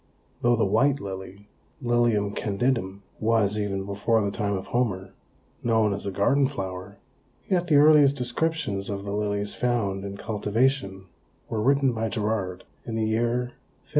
Though the white lily (Lilium candidum) was, even before the time of Homer, known as a garden flower, yet the earliest descriptions of the lilies found in cultivation were written by Gerard in the year 1597.